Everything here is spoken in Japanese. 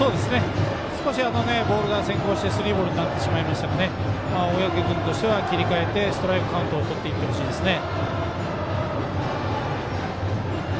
少しボールが先行してスリーボールになってしまいましたが小宅君として切り替えてストライクカウントをとってほしいですね。